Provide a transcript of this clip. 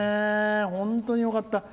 本当によかった。